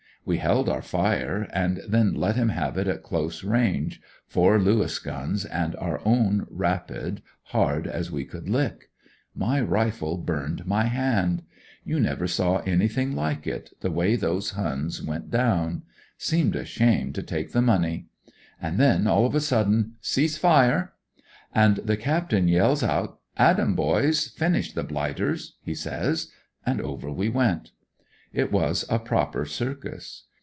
We held our fire, and then let him have it at close range, four Lewis guns and our own rapid, hard as we could lick. My rifle burned my hand. You never 186 THE HOSPITAL MAH^ BAGS ii 'i il ,1 I t saw anything like it, the way those Huns went down. Seemed a shame to take the money. And then, all of a sudden, * Cease fire !' And the Captain yells out, * At 'em, boysl Finish the blighters!' he says. And over we went. It was a proper circus.